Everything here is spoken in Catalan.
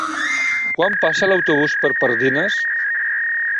Quan passa l'autobús per Pardines?